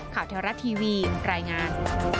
ข่าวเทวรัตน์ทีวีรายงาน